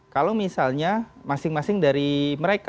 kalau misalnya masing masing dari mereka